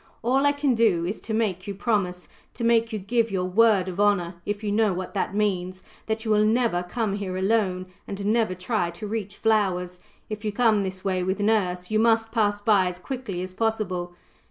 All I can do is to make you promise to make you give your word of honour, if you know what that means that you will never come here alone, and never try to reach flowers; if you come this way with nurse, you must pass by as quickly as possible.